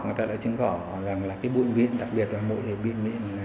người ta đã chứng khỏa rằng là cái bụi viết đặc biệt là mỗi bụi viết hai năm